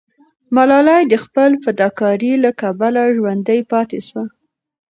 ملالۍ د خپل فداکارۍ له کبله ژوندی پاتې سوه.